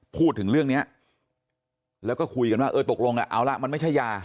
พูดถึงเรื่องนี้แล้วก็คุยกันว่าเออตกลงเอาละมันไม่ใช่ยา